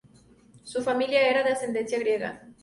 Su familia era de ascendencia griega.